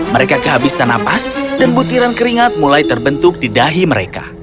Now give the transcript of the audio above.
mereka kehabisan napas dan butiran keringat mulai terbentuk di dahi mereka